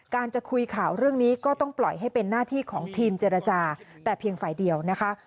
จะคุยข่าวเรื่องนี้ก็ต้องปล่อยให้เป็นหน้าที่ของทีมเจรจาแต่เพียงฝ่ายเดียวนะคะ